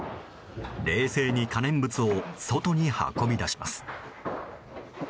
冷静に可燃物を外に運び出します。